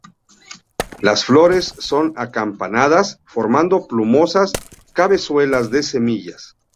Las flores son acampanadas, formando plumosas cabezuelas de semillas.